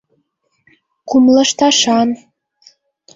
Кум лышташан...